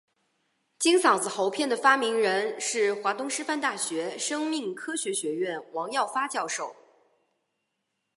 金嗓子喉片的发明人是华东师范大学生命科学学院王耀发教授。